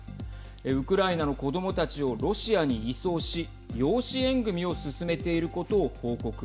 ウクライナの子どもたちをロシアに移送し養子縁組を進めていることを報告。